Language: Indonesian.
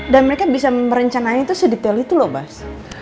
dan mereka bisa merencanainya tuh sedetail itu loh bas